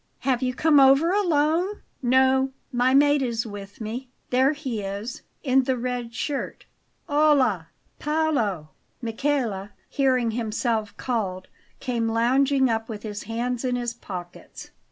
"Have you come over alone?" "No, my mate is with me; there he is, in the red shirt. Hola, Paolo!" Michele hearing himself called, came lounging up with his hands in his pockets.